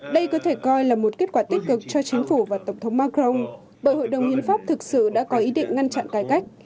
đây có thể coi là một kết quả tích cực cho chính phủ và tổng thống macron bởi hội đồng hiến pháp thực sự đã có ý định ngăn chặn cải cách